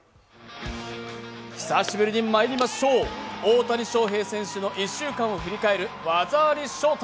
久しぶりにまいりましょう、大谷翔平選手の１週間を振り返る「技ありＳＨＯ−ＴＩＭＥ」。